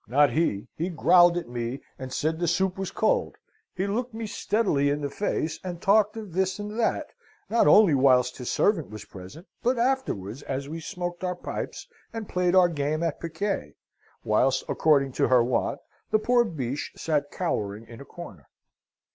Not he! He growled at me, and said the soup was cold. He looked me steadily in the face, and talked of this and that; not only whilst his servant was present, but afterwards as we smoked our pipes and played our game at piquet; whilst according to her wont, the poor Biche sate cowering in a corner.